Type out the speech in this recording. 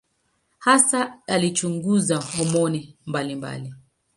Hasa alichunguza homoni mbalimbali.